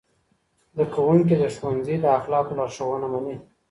زدهکوونکي د ښوونځي د اخلاقو لارښوونه مني.